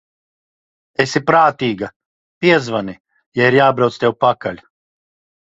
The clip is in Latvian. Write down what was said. Esi prātīga, piezvani, ja ir jābrauc tev pakaļ.